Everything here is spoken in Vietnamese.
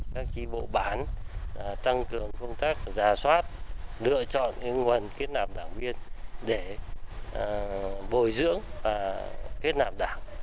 các chị bộ bản tăng cường công tác giả soát lựa chọn những nguồn kết nạp đảng viên để bồi dưỡng và kết nạp đảng